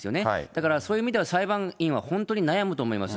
だからそういう意味では、裁判員は本当に悩むと思います。